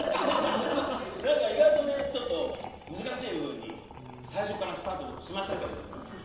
何か意外とねちょっと難しい部分に最初からスタートしましたけれども。